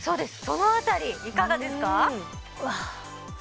その辺りいかがですか？